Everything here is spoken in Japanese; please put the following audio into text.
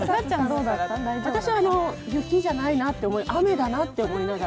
私は雪じゃないな、雨だなって思いながら。